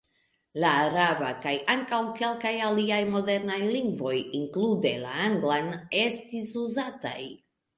La araba kaj ankaŭ kelkaj aliaj modernaj lingvoj (inklude la anglan) estis uzataj.